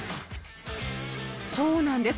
そうなんです。